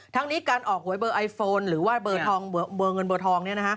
ทั้งนี้การออกหวยเบอร์ไอโฟนหรือว่าเบอร์เงินเบอร์ทอง